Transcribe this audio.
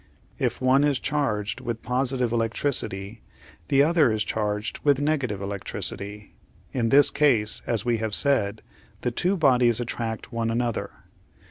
If one is charged with positive electricity the other is charged with negative electricity. In this case, as we have said, the two bodies attract one another.